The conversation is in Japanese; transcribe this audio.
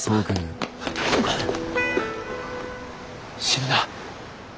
死ぬな。